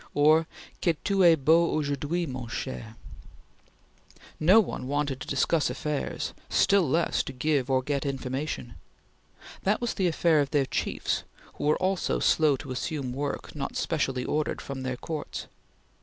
or, "Que tu es beau aujourd'hui, mon cher!" No one wanted to discuss affairs; still less to give or get information. That was the affair of their chiefs, who were also slow to assume work not specially ordered from their Courts.